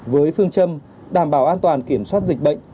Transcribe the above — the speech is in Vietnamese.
với phương châm đảm bảo an toàn kiểm soát dịch bệnh